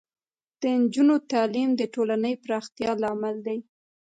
د نجونو تعلیم د ټولنې پراختیا لامل دی.